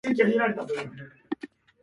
体は必死に支えている。